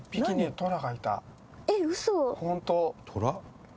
「トラ？」